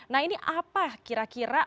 nah ini apa kira kira